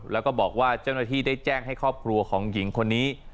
แล้วก็บอกว่าเจ้าหน้าที่ได้แจ้งให้ครอบครัวของหญิงคนนี้